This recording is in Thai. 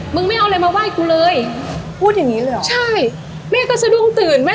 ไม่เอาอะไรมาไหว้กูเลยพูดอย่างงี้เลยเหรอใช่แม่ก็สะดุ้งตื่นแม่